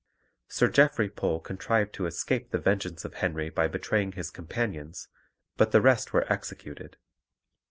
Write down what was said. Sir Geoffrey Pole contrived to escape the vengeance of Henry by betraying his companions, but the rest were executed.